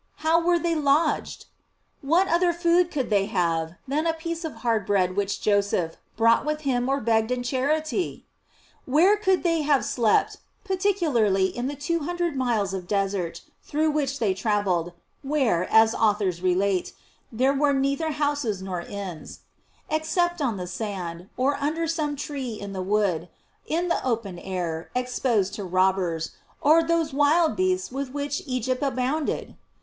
How were they lodged ?J What other food could they have, than a piece of hard bread which Joseph brought with him or begged in charity? Where could they have slept (particularly in the two hundred miles of desert through which they travelled, where, as authors relate, there were neither houses nor inns) except on the sand, or under some tree in the wood, in the open air, exposed to robbers, or those wild beasts with which Egypt abounded